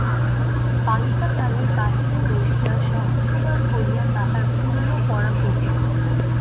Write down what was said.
বালিকা দ্বারের বাহিরে বসিয়া সহস্রবার করিয়া তাহার পুরানো পড়া পড়িল।